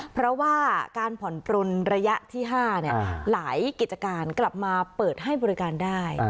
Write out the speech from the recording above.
เพราะว่าการผ่อนปลนระยะที่๕หลายกิจการกลับมาเปิดให้บริการได้